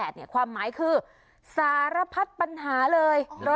๑๐๘เนี่ยความหมายคือสารพัดปัญหาเลย